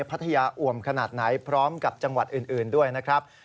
พัทยาอ่วมขนาดไหนพร้อมกับจังหวัดอื่นด้วยนะครับ